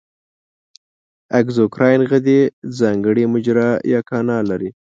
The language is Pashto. اګزوکراین غدې ځانګړې مجرا یا کانال لري.